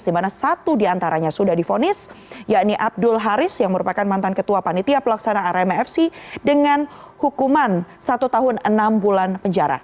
di mana satu diantaranya sudah difonis yakni abdul haris yang merupakan mantan ketua panitia pelaksanaan rmfc dengan hukuman satu tahun enam bulan penjara